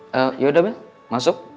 yaudah bella masuk